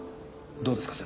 どうですか？